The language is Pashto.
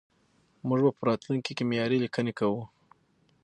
موږ به په راتلونکي کې معياري ليکنې کوو.